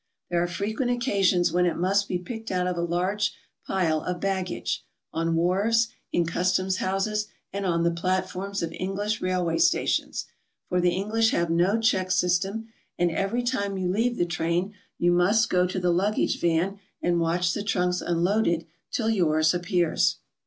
There are frequent occasions when it must be picked out of a large pile of baggage, — on wharves, in cus tomshouses, and on die platforms of English railway stations, for the English have no check system, and every time you PERSONALITIES. 2 19 leave the train, you mU'St go to the luggage van and watch the trunks unloaded till yours appears.